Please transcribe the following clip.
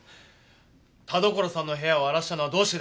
田所さんの部屋を荒らしたのはどうしてだ？